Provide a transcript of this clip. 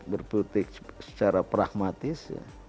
berpolitik secara pragmatis